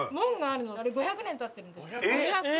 あれ５００年経ってるんです。